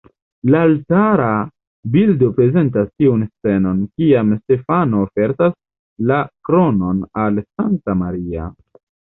La altara bildo prezentas tiun scenon, kiam Stefano ofertas la kronon al Sankta Maria.